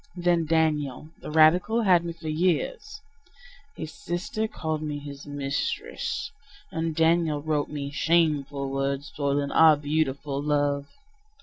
Then Daniel, the radical, had me for years. His sister called me his mistress; And Daniel wrote me: "Shameful word, soiling our beautiful love!"